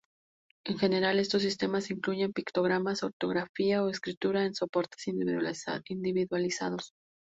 En general, estos sistemas incluyen pictogramas, ortografía o escritura en soportes individualizados.